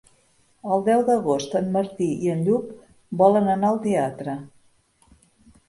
El deu d'agost en Martí i en Lluc volen anar al teatre.